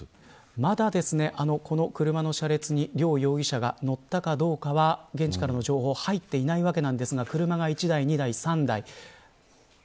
まだ、この車の車列に両容疑者が乗ったかどうかは、現地からの情報、入っていないんですが車が１台、２台、３台。